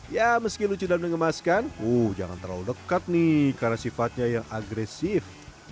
ya meski lucu dan mengemaskan uh jangan terlalu dekat nih karena sifatnya yang agresif